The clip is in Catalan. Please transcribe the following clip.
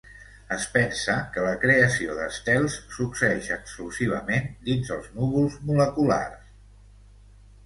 Es pensa que la creació d'estels succeeix exclusivament dins els núvols moleculars.